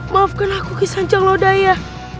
maafkan aku kisanjang lodaya